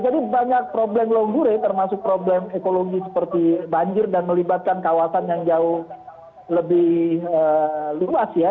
jadi banyak problem longgure termasuk problem ekologi seperti banjir dan melibatkan kawasan yang jauh lebih luas ya